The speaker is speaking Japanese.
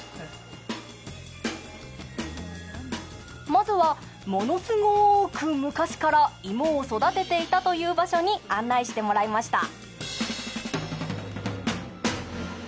まずはものすごく昔から芋を育てていたという場所に案内してもらいました。